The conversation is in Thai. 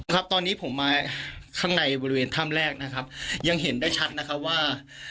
ครับตอนนี้ผมมาข้างในบริเวณถ้ำแรกนะครับยังเห็นได้ชัดนะครับว่า